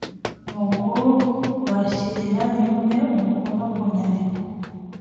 nuko bashyirira rimwe umukono ku nyandiko